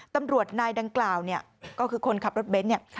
ตำรวจนายดังกล่าวเนี่ยก็คือคนขับรถเบนท์เนี่ย